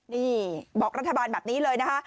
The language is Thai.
นี่บอกรัฐบาลแบบนี้เลยนะคะ